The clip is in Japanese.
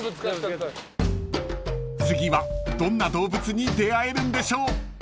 ［次はどんな動物に出合えるんでしょう］